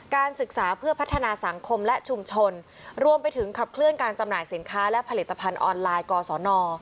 ศึกษาเพื่อพัฒนาสังคมและชุมชนรวมไปถึงขับเคลื่อนการจำหน่ายสินค้าและผลิตภัณฑ์ออนไลน์กศน